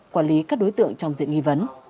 quản lý các đối tượng trong diện nghi vấn